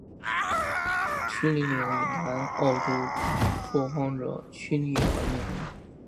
屈利岭以南澳州拓荒者屈利而命名。